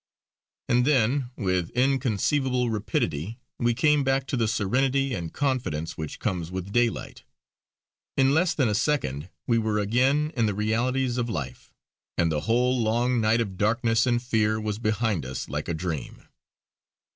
And then, with inconceivable rapidity, we came back to the serenity and confidence which comes with daylight. In less than a second we were again in the realities of life; and the whole long night of darkness and fear was behind us like a dream.